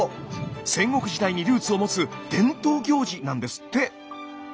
戦国時代にルーツを持つ伝統行事なんですって。